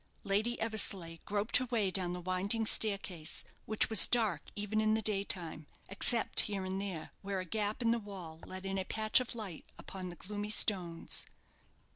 Lady Eversleigh groped her way down the winding staircase, which was dark even in the daytime except here and there, where a gap in the wall let in a patch of light upon the gloomy stones.